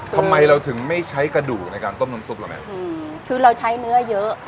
ทำไมเราถึงไม่ใช้กระดูกในการต้มน้ำซุปล่ะแม่อืมคือเราใช้เนื้อเยอะ